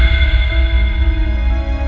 boleh dong rena